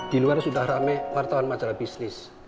di luar sudah rame wartawan majalah bisnis